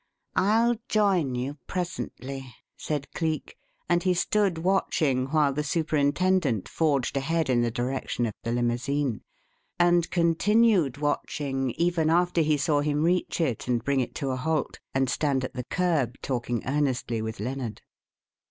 I'll join you presently," said Cleek, and he stood watching while the superintendent forged ahead in the direction of the limousine; and continued watching even after he saw him reach it and bring it to a halt, and stand at the kerb talking earnestly with Lennard.